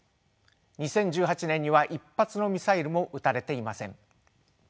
２０１８年には一発のミサイルも撃たれていません。